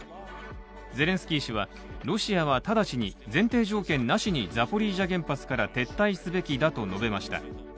ゼレンスキー氏はロシアはただちに前提条件なしにザポリージャ原発から撤退すべきだと述べました。